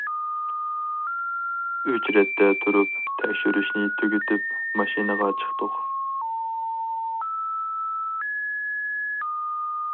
ئۆچرەتتە تۇرۇپ تەكشۈرۈشنى تۈگىتىپ ماشىنىغا چىقتۇق.